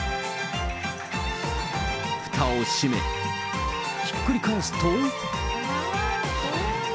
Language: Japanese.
ふたを閉め、ひっくり返すと。